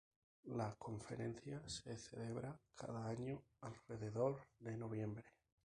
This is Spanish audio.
La conferencia se celebra cada año alrededor de noviembre.